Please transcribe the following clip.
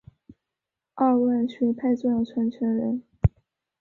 二万学派重要传承人。